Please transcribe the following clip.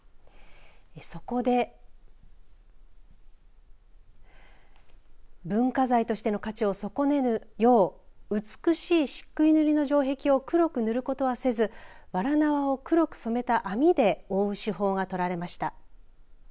そこで文化財としての価値を損ねぬよう美しいしっくい塗りの城壁を黒く塗ることはせずわら縄を黒く染めた網で覆う手法が取られました。